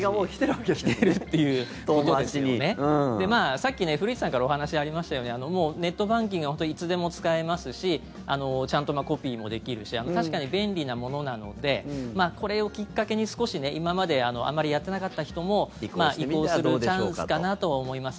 さっき、古市さんからお話ありましたようにもうネットバンキングはいつでも使えますしちゃんとコピーもできるし確かに便利なものなのでこれをきっかけに、少し今まであまりやってなかった人も移行するチャンスかなと思います。